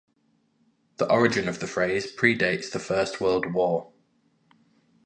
The origin of the phrase pre-dates the First World War.